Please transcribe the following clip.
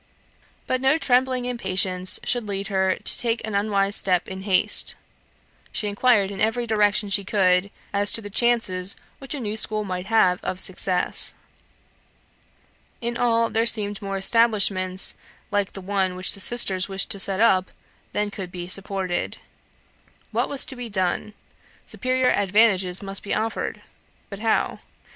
But no trembling impatience should lead her to take an unwise step in haste. She inquired in every direction she could, as to the chances which a new school might have of success. In all there seemed more establishments like the one which the sisters wished to set up than could be supported. What was to be done? Superior advantages must be offered. But how?